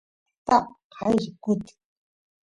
llaqta qaylla kutin